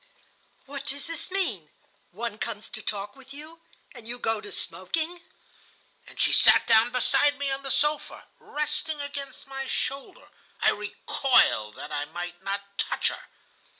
"'What does this mean? One comes to talk with you, and you go to smoking.' "And she sat down beside me on the sofa, resting against my shoulder. I recoiled, that I might not touch her.